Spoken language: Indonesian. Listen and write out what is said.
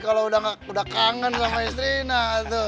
kalau udah kangen sama istrinya